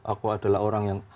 aku adalah orang yang